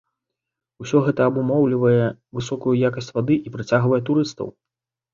Усё гэта абумоўлівае высокую якасць вады і прыцягвае турыстаў.